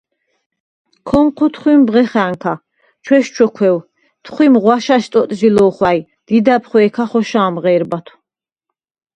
ქო̄ნჴუ თხვიმ ბღეხა̈ნქა, ჩვესჩოქვევ, თხვიმ ღვაშა̈შ ტოტჟი ლო̄ხვა̈ჲ, დიდა̈ბ ხვე̄ქა ხოშა̄მ ღე̄რბათვ.